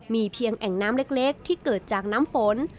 มีเพียงแอ่งน้ำเล็กที่เกิดจากน้ำฝน